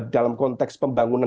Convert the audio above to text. dalam konteks pembangunan